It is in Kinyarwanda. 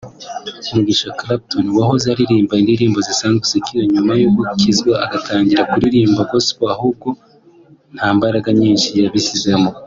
Mugisha Clapton wahoze aririmba indirimbo zisanzwe (Secular) nyuma yo gukizwa agatangira kuririmba Gospel nubwo nta mbaraga nyinshi yabishyizemo